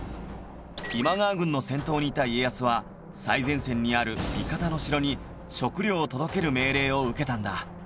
今川軍の先頭にいた家康は最前線にある味方の城に食料を届ける命令を受けたんだ